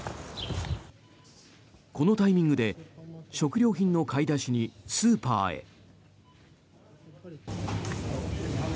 このタイミングで食料品の買い出しにスーパーへ。